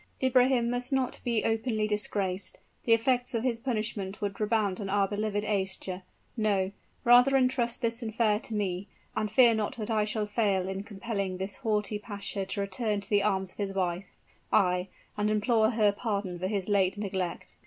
"Ibrahim must not be openly disgraced: the effects of his punishment would redound on our beloved Aischa. No rather intrust this affair to me; and fear not that I shall fail in compelling this haughty pasha to return to the arms of his wife ay, and implore her pardon for his late neglect."